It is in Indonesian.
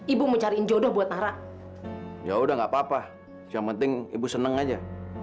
ibu mencari jodoh buat nara ya udah nggak papa yang penting ibu seneng aja